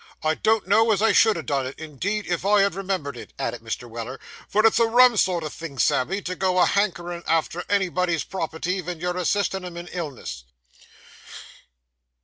I don't know as I should ha' done it, indeed, if I had remembered it,' added Mr. Weller, 'for it's a rum sort o' thing, Sammy, to go a hankerin' arter anybody's property, ven you're assistin' 'em in illness.